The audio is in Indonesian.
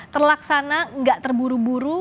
terlaksana nggak terburu buru